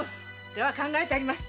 手は考えてあります。